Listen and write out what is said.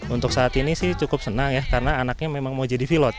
untuk saat ini sih cukup senang ya karena anaknya memang mau jadi pilot